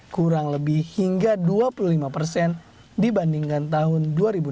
kurang lebih hingga dua puluh lima persen dibandingkan tahun dua ribu enam belas